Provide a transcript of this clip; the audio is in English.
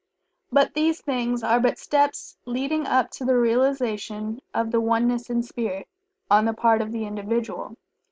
But all these things are but steps leading up to the realization of the Oneness in Spirit, on the part of the Individual.